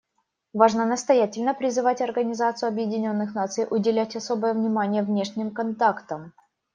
Важно настоятельно призывать Организацию Объединенных Наций уделять особое внимание внешним контактам.